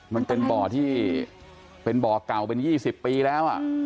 มันเป็นบ่อที่เป็นบ่อเก่าเป็น๒๐ปีแล้ว